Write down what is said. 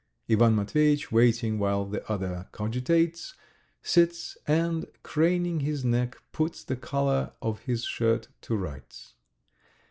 Ivan Matveyitch, waiting while the other cogitates, sits and, craning his neck, puts the collar of his shirt to rights.